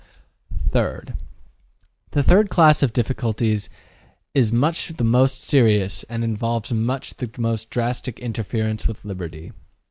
3. The third class of difficulties is much the most serious and involves much the most drastic interference with liberty.